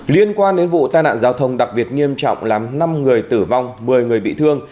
liên quan đến vụ tai nạn giao thông đặc biệt nghiêm trọng làm năm người tử vong một mươi người bị thương